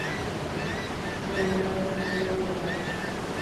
Schoenberg nació en Galați.